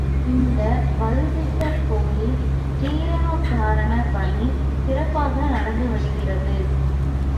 இந்த வழுதீசர் கோயில் ஜீரணோத்தாரணப் பணி சிறப்பாக நடந்து வருகிறது.